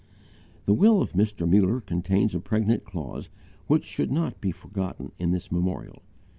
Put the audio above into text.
The will of Mr. Muller contains a pregnant clause which should not be forgotten in this memorial.